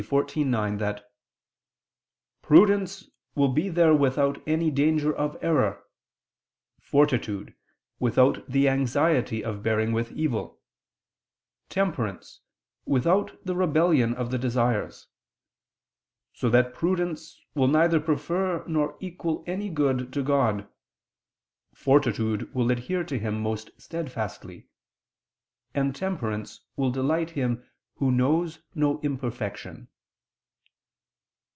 xiv, 9) that "prudence will be there without any danger of error; fortitude, without the anxiety of bearing with evil; temperance, without the rebellion of the desires: so that prudence will neither prefer nor equal any good to God; fortitude will adhere to Him most steadfastly; and temperance will delight in Him Who knows no imperfection."